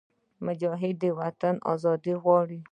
مجاهد د وطن ازادي غواړي.